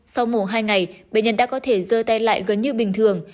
sau mổ hai ngày bệnh nhân đã có thể dơ tay lại gần như bình thường